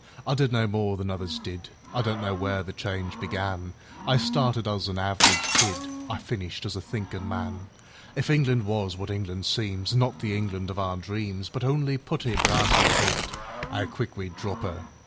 I did no more than others did,I don't know where the change began;I started as a average kid,I finished as a thinkin' man. If England was what England seemsAn' not the England of our dreams, But only putty, brass, an' paint,'Ow quick we'd drop 'er!